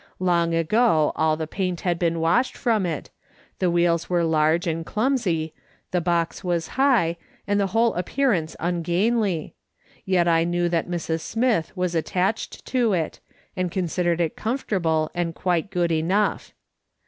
Long ago all the paint had been washed from it, the wheels were large and clumsy, the box was high, and the whole appearance ungainly, yet I knew that Mrs, Smith was attached p2 212 ^fRS. SOLOMON SMITH LOOKING ON. to it, and considered it comfortable and quite good enough.